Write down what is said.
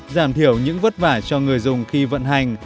giảm thiểu những vất vả cho người dùng khi vận hành